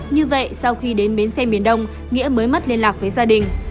như vậy sau khi đến bến xe miền đông nghĩa mới mất liên lạc với gia đình